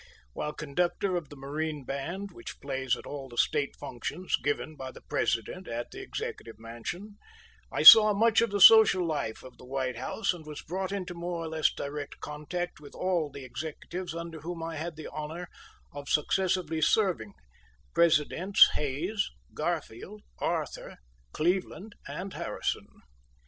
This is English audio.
While conductor of the Marine Band, which plays at all the state functions given by the President at the Executive Mansion, I saw much of the social life of the White House and was brought into more or less direct contact with all the executives under whom I had the honor of successively serving Presidents Hayes, Garfield, Arthur, Cleveland and Harrison.